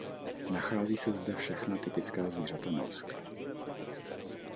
Nachází se zde všechna typická zvířata Norska.